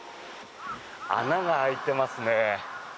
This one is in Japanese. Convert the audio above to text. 穴が開いてますね。